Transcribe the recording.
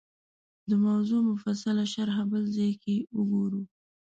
دې موضوع مفصله شرحه بل ځای کې وګورو